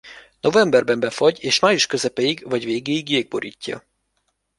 Novemberben befagy és május közepéig vagy végéig jég borítja.